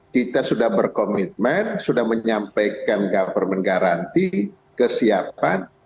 kita sudah berkomitmen sudah menyampaikan government garanti kesiapan